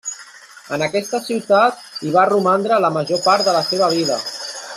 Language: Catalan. En aquesta ciutat i va romandre la major part de la seva vida.